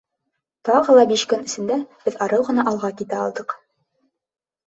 Тағы ла биш көн эсендә беҙ арыу ғына алға китә алдыҡ.